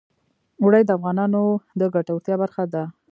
اوړي د افغانانو د ګټورتیا برخه ده.